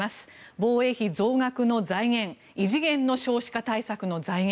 防衛費増額の財源異次元の少子化対策の財源